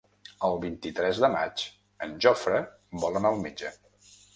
El vint-i-tres de maig en Jofre vol anar al metge.